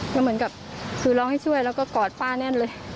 ก็เหมือนกับคือร้องให้ช่วยแล้วก็กอดป้าแน่นเลย